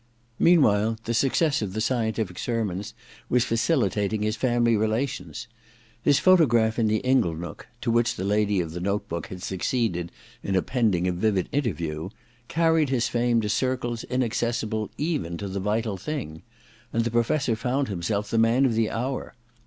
Meanwhile the success of the Scientific Sermons was facilitating his family relations. His photograph in the Inglenook^ to which the lady of the note book had succeeded in append ing a vivid interview, carried his fame to circles inaccessible even to * The Vital Thing '; and the Professor found himself the man of the hour.